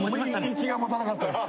息が持たなかったです